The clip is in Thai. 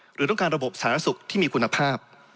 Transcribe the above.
หรือต้องการระบบสารสุขที่มีคุณภาพ